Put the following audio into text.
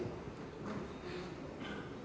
tidak ada pemeriksaan lebih lanjut